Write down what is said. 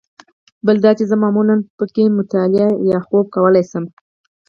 بل دا چې زه معمولاً په کې مطالعه یا خوب کولای شم.